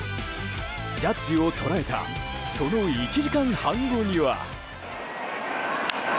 ジャッジを捉えたその１時間半後には。